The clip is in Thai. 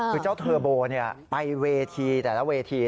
คือเจ้าเทอร์โบไปเวทีแต่ละเวที